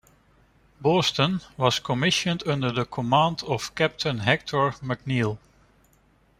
"Boston" was commissioned under the command of Captain Hector McNeill.